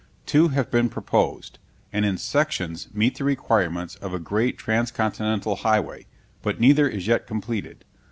Two have been proposed, and in sections meet the requirements of a great transcontinental highway; but neither is yet completed.